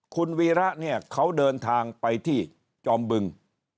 คุณวีระเนี่ยเขาเดินทางไปที่จอมบึง